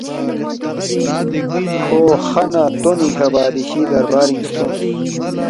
کھو خا نہ تُونی کھہ بادشی دربارِنگ سونگس